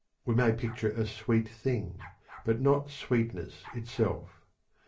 We may picture a sweet thing, but not sweetness itself.